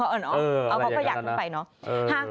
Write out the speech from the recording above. เอาเขาก็อยากกันไปเนอะ